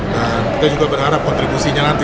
dan kita juga berharap kontribusinya nanti